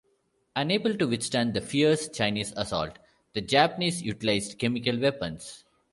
Unable to withstand the fierce Chinese assault, the Japanese utilized chemical weapons.